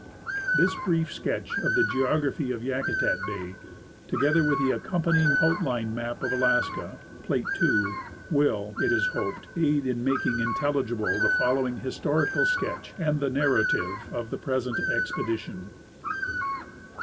This brief sketch of the geography of Yakutat bay, together with the accompanying outline map of Alaska (plate 2), will, it is hoped, aid in making intelligible the following historical sketch and the narrative of the present expedition.